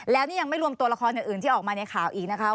แล้วนี่ยังไม่รวมตัวละครอื่นที่ออกมาในข่าวอีกนะคะ